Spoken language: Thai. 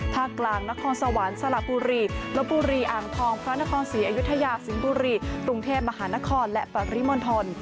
ภาคกลางนครสวรรค์สละบุรีลบบุรีอ่างทองพระนครศรีอยุธยาสิงห์บุรีกรุงเทพมหานครและปริมณฑล